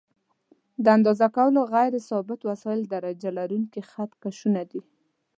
د اندازه کولو غیر ثابت وسایل درجه لرونکي خط کشونه دي.